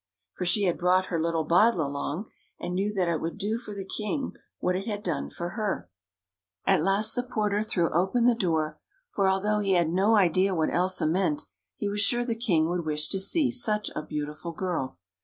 For she had brought her little bottle along, and knew that it would do for the king what it had done for her. At last the porter threw open the door, for although he had no idea what Elsa meant, he was sure the king would wish to see such a beautiful girl.